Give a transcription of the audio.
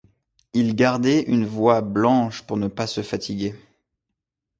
Ils gardaient une voix blanche pour ne pas se fatiguer.